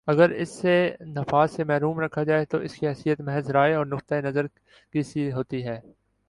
اگر اسے نفاذ سے محروم رکھا جائے تو اس کی حیثیت محض رائے اور نقطۂ نظر کی سی ہوتی ہے